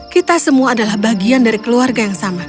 kita semua adalah bagian dari keluarga yang sama